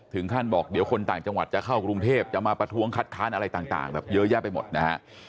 ถึงขั้นบอกเดี๋ยวคนต่างจังหวัดจะเข้ากรุงเทพจะมาประท้วงคัดค้านอะไรต่างแบบเยอะแยะไปหมดนะฮะ